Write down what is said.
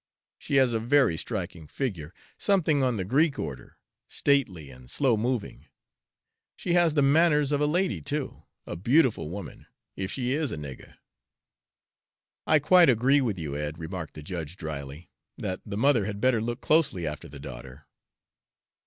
She has a very striking figure, something on the Greek order, stately and slow moving. She has the manners of a lady, too a beautiful woman, if she is a nigger!" "I quite agree with you, Ed," remarked the judge dryly, "that the mother had better look closely after the daughter."